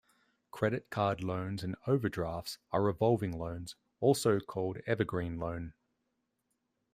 Credit card loans and overdrafts are revolving loans, also called evergreen loan.